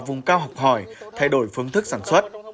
vùng cao học hỏi thay đổi phương thức sản xuất